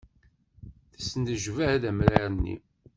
Tesnejbad amrar-nni.